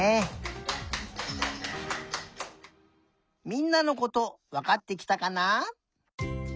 みんなのことわかってきたかな？